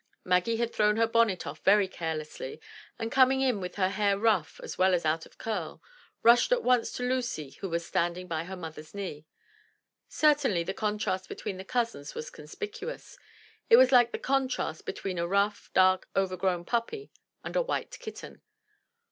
Maggie had thrown her bonnet off very carelessly, and, coming in with her hair rough as well as out of curl, rushed at once to Lucy who was standing by her mother's knee. Certainly the contrast between the cousins was conspicuous; it was like the contrast between a rough, dark, over grown puppy and a white kitten.